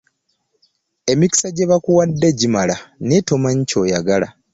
Emikisa gye bakuwadde gimala naye tomanyi ky'oyagala.